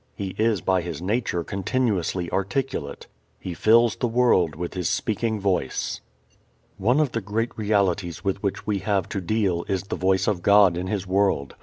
He is by His nature continuously articulate. He fills the world with His speaking Voice. One of the great realities with which we have to deal is the Voice of God in His world.